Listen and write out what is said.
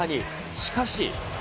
しかし。